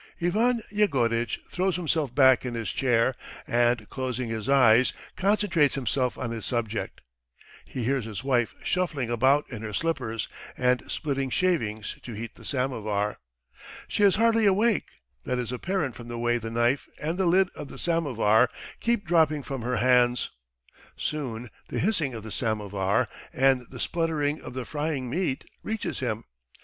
Ivan Yegoritch throws himself back in his chair, and closing his eyes concentrates himself on his subject. He hears his wife shuffling about in her slippers and splitting shavings to heat the samovar. She is hardly awake, that is apparent from the way the knife and the lid of the samovar keep dropping from her hands. Soon the hissing of the samovar and the spluttering of the frying meat reaches him.